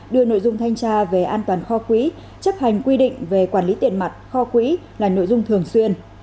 đưa nội dung thanh tra về an toàn kho quỹ chấp hành quy định về quản lý tiền mặt kho quỹ là nội dung thường xuyên